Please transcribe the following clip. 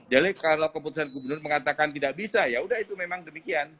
jadi kalau keputusan gubernur mengatakan tidak bisa yaudah itu memang demikian